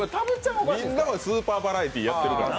みんながスーパーバラエティーやってるから。